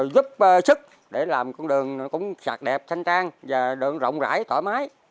giúp sức để làm con đường cũng sạch đẹp thanh trang và đường rộng rãi thoải mái